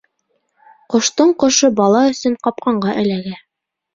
Ҡоштоң ҡошо бала өсөн ҡапҡанға эләгә.